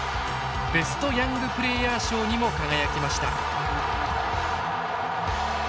ベストヤングプレーヤー賞にも輝きました。